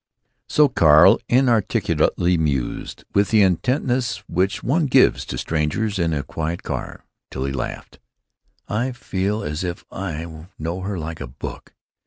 So Carl inarticulately mused, with the intentness which one gives to strangers in a quiet car, till he laughed, "I feel as if I knew her like a book."